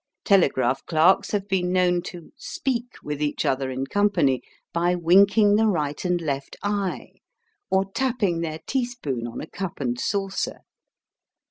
Telegraph clerks have been known to "speak" with each other in company by winking the right and left eye, or tapping with their teaspoon on a cup and saucer.